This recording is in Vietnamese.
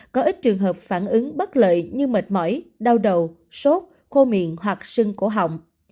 có ít trường hợp phản ứng bất lợi như mệt mỏi đau đầu sốt khô miệng hoặc sưng cổ họng